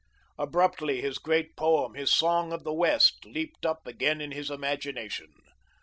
Abruptly his great poem, his Song of the West, leaped up again in his imagination.